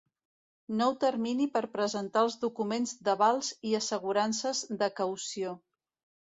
Nou termini per presentar els documents d'avals i assegurances de caució.